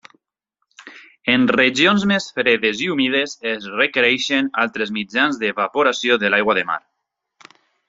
En regions més fredes i humides, es requereixen altres mitjans d'evaporació de l'aigua de mar.